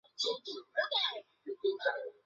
她坐在床边哼着摇篮曲